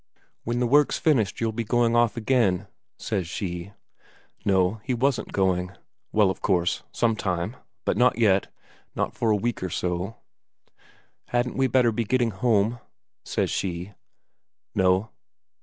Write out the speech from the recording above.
"When the work's finished, you'll be going off again," says she. No, he wasn't going. Well, of course, some time, but not yet, not for a week or so. "Hadn't we better be getting home?" says she. "No."